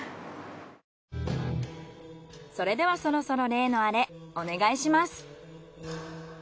それではそろそろ例のアレお願いします。